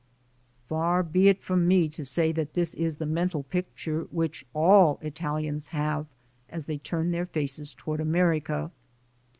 Far be it from me to say that this is the mental picture which all Italians have as they turn their faces toward America.